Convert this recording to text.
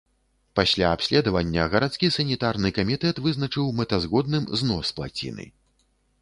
Пасля абследавання гарадскі санітарны камітэт вызначыў мэтазгодным знос плаціны.